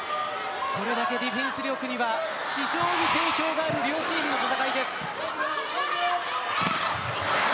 それだけディフェンス力には非常に定評がある両チームの戦いです。